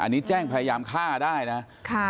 อันนี้แจ้งพยายามฆ่าได้นะ